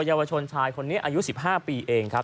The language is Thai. เยาวชนชายคนนี้อายุ๑๕ปีเองครับ